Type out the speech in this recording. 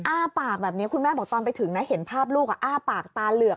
อ้าปากแบบนี้คุณแม่บอกตอนไปถึงนะเห็นภาพลูกอ้าปากตาเหลือก